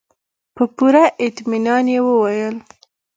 په پوره اطمينان يې وويل.